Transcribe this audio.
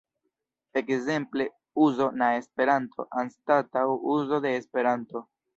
Ekzemple, "uzo" na Esperanto" anstataŭ "uzo de Esperanto".